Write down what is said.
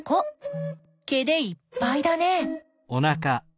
毛でいっぱいだね。